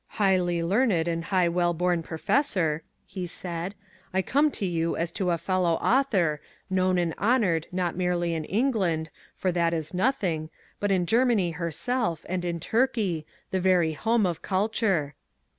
"Highly learned, and high well born professor," he said, "I come to you as to a fellow author, known and honoured not merely in England, for that is nothing, but in Germany herself, and in Turkey, the very home of Culture."